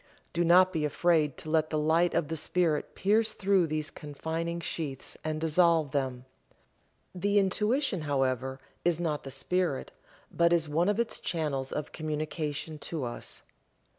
Do not be afraid to let the light of the Spirit pierce through these confining sheaths and dissolve them. The Intuition, however, is not the Spirit, but is one of its channels of communication to us.